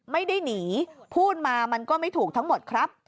ไม่ได้หนีพูดมามันก็ไม่ถูกทั้งหมดครับ